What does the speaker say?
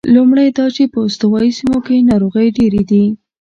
لومړی دا چې په استوایي سیمو کې ناروغۍ ډېرې دي.